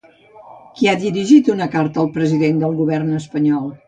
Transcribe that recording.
Qui ha dirigit una carta al president del govern espanyol?